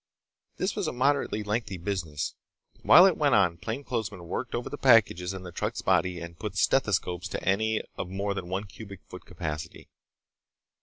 This was a moderately lengthy business. While it went on, plainclothesmen worked over the packages in the truck's body and put stethoscopes to any of more than one cubic foot capacity.